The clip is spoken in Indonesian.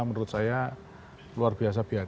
menurut saya luar biasa